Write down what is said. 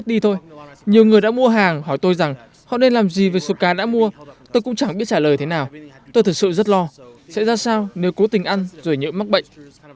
thế nào tôi thật sự rất lo sẽ ra sao nếu cố tình ăn rồi nhỡ mắc bệnh